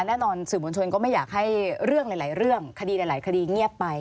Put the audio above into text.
แน่นอนสื่อมวลชนก็ไม่อยากให้เรื่องหลายเรื่องคดีหลายคดีเงียบไป